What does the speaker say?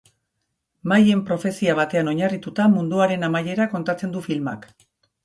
Maien profezia batean oinarrituta, munduaren amaiera kontatzen du filmak.